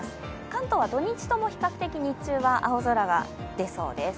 関東は土日とも比較的、日中は青空が出そうです。